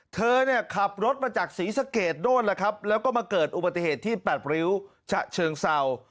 เธอขับรถมาจากศรีสะเกตโน่นแล้วก็มาเกิดอุบัติเหตุที่ปรับริ้วเชิงเศร้า